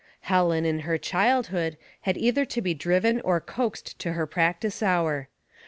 Helen, in her childhood, had either to be driven or coaxed to her practice hour.